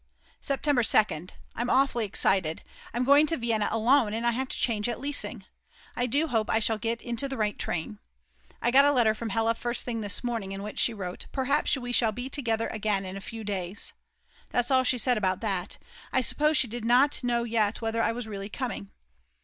September 2nd. I am awfully excited; I'm going to Vienna alone and I have to change at Liesing, I do hope I shall get into the right train. I got a letter from Hella first thing this morning, in which she wrote: "Perhaps we shall be together again in a few days." That's all she said about that; I suppose she did not know yet whether I was really coming.